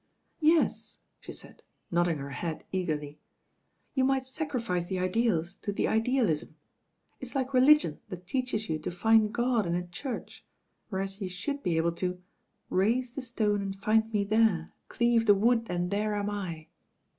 "Yea," she said, nodding her head eagerly. *Tou might aacrifice the ideals to the idealism. It's lik^ religion that teaches you to find God in a church, whereas you should be able to > Raise the stone and find me there, Cleave the wood and there am I.